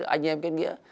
anh em kết nghĩa